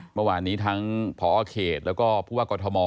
เมื่อวานี้ทั้งพอเขตแล้วก็พกฐม